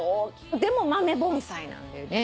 でも豆盆栽なんだよね。